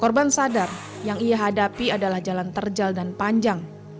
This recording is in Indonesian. korban sadar yang ia hadapi adalah jalan terjal dan panjang